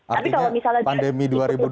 artinya kalau pandemi dua ribu dua puluh